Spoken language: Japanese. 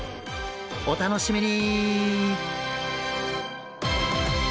お楽しみに！